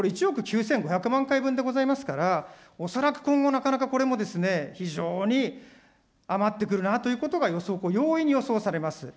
１億９５００万回分でございますから、恐らく今後、なかなかこれも非常に余ってくるなということが予想を、これ、容易に予想をされます。